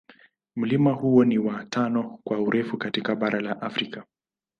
Mlima huo ni wa tano kwa urefu katika bara la Afrika.